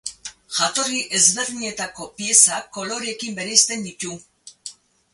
Jatorri ezberdinetako piezak koloreekin bereizten ditu.